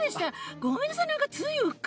ごめんなさいなんかついうっかりしちゃって。